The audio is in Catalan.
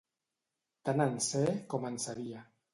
Tant en sé com en sabia.